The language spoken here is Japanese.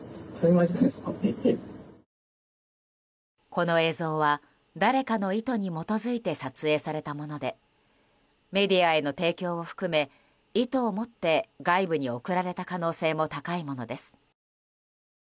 この映像は誰かの意図に基づいて撮影されたものでメディアへの提供を含め意図を持って外部に送られた可能性も高いものです。